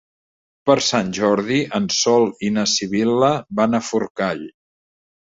Per Sant Jordi en Sol i na Sibil·la van a Forcall.